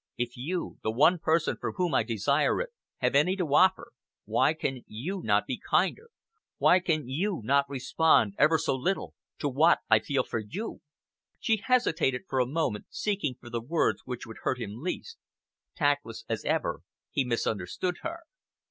If you, the one person from whom I desire it, have any to offer, why can you not be kinder? Why can you not respond, ever so little, to what I feel for you?" She hesitated for a moment, seeking for the words which would hurt him least. Tactless as ever, he misunderstood her.